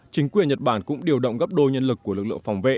chính quyền nhật bản cũng điều động gấp đôi nhân lực của lực lượng phòng vệ